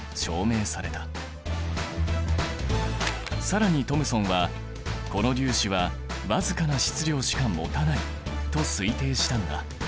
更にトムソンはこの粒子はわずかな質量しか持たないと推定したんだ。